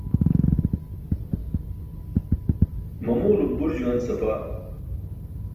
Mamuwlum bur juwan sapaa.